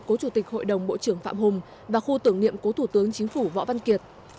cố chủ tịch hội đồng bộ trưởng phạm hùng và khu tưởng niệm cố thủ tướng chính phủ võ văn kiệt